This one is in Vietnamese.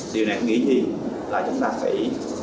điều này nghĩ gì là chúng ta phải